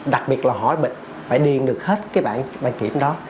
đặc biệt là hỏi bệnh phải điền được hết bảng kiểm đó